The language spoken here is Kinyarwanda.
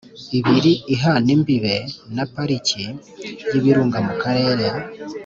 ibiri ihana imbibe na Pariki y’ibirunga mu Karere